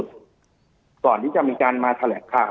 จนถึงปัจจุบันมีการมารายงานตัว